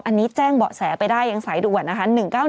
อันนี้แจ้งเบาะแสไปได้ยังสายด่วนนะคะ